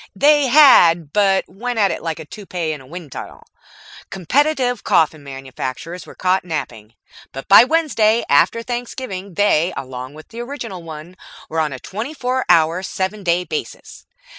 They had, but it went like a toupee in a wind tunnel. Competitive coffin manufacturers were caught napping, but by Wednesday after Thanksgiving they, along with the original one, were on a twenty four hour, seven day basis.